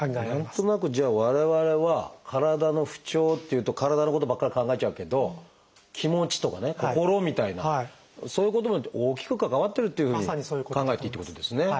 何となくじゃあ我々は体の不調というと体のことばっかり考えちゃうけど気持ちとかね心みたいなそういうことも大きく関わってるっていうふうに考えていいってことですね。